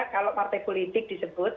kalau partai politik disebut